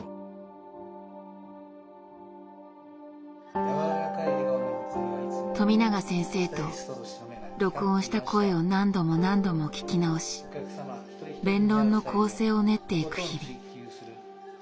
健常者というか普通のところから富永先生と録音した声を何度も何度も聞き直し弁論の構成を練っていく日々。